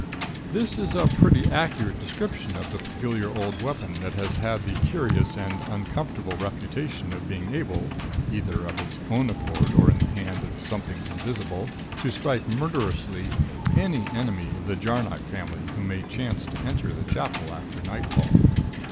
"This is a pretty accurate description of the peculiar old weapon that has had the curious and uncomfortable reputation of being able (either of its own accord or in the hand of something invisible) to strike murderously any enemy of the Jarnock family who may chance to enter the Chapel after nightfall.